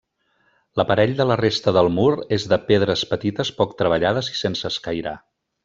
L'aparell de la resta del mur és de pedres petites poc treballades i sense escairar.